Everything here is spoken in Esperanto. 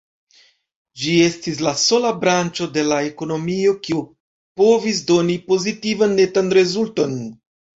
Ĝi estis la sola branĉo de la ekonomio, kiu povis doni pozitivan netan rezulton.